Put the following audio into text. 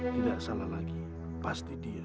tidak salah lagi pasti dia